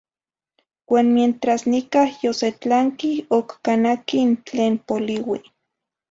Uan mientras nicah yosetlanqui, oc canaquih n tlen poliui.